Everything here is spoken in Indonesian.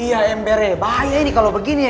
iya embernya bahaya ini kalau begini